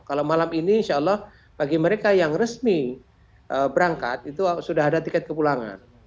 kalau malam ini insya allah bagi mereka yang resmi berangkat itu sudah ada tiket kepulangan